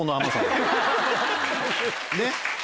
ねっ！